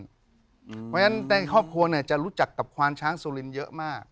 เพราะฉะนั้นในครอบครัวจะรู้จักกับควานช้างสุรินทร์เยอะมาก